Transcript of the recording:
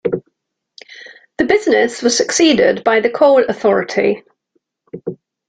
The business was succeeded by the Coal Authority.